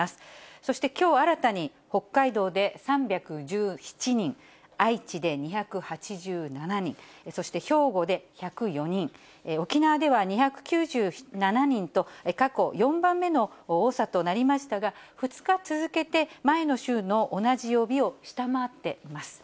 そして、きょう新たに北海道で３１７人、愛知で２８７人、そして兵庫で１０４人、沖縄では２９７人と、過去４番目の多さとなりましたが、２日続けて前の週の同じ曜日を下回っています。